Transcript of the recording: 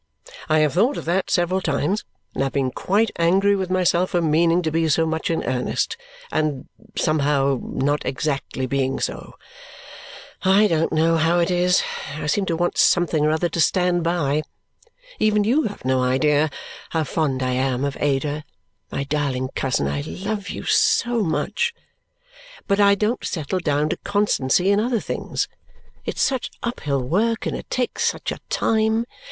I have thought of that several times and have been quite angry with myself for meaning to be so much in earnest and somehow not exactly being so. I don't know how it is; I seem to want something or other to stand by. Even you have no idea how fond I am of Ada (my darling cousin, I love you, so much!), but I don't settle down to constancy in other things. It's such uphill work, and it takes such a time!"